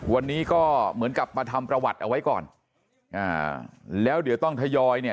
วันนี้ก็เหมือนกับมาทำประวัติเอาไว้ก่อนอ่าแล้วเดี๋ยวต้องทยอยเนี่ย